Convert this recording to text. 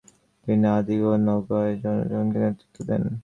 তিনি আদিগ ও নোগাই জনগণকে নেতৃত্ব দেন।